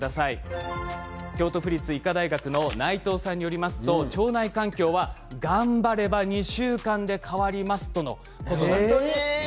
京都府立医科大学の内藤さんによりますと腸内環境は頑張れば２週間で変わりますとのことなんです。